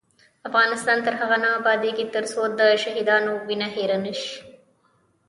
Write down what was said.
افغانستان تر هغو نه ابادیږي، ترڅو د شهیدانو وینه هیره نشي.